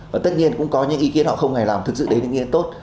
và tất nhiên cũng có những ý kiến họ không hài lòng thực sự đến những ý kiến tốt